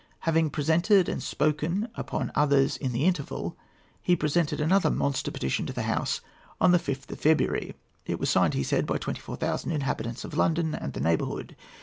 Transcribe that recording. Having presented and spoken upon others in the interval, he presented another monster petition to the House on the 5th of February. It was signed, he said, by twenty four thousand inhabitants of London and the neighbourhood.